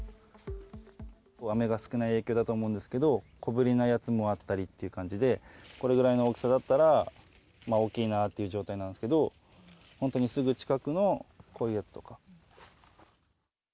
雨が少ない影響だと思うんですけど、小ぶりなやつもあったりっていう感じで、これぐらいの大きさだったら、まあ大きいなっていう状態なんですけど、本当にすぐ近くのこういうやつとか。